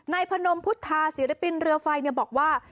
พนมพุทธาศิลปินเรือไฟบอกว่า